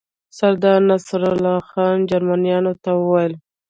سردار نصرالله خان جرمنیانو ته وویل.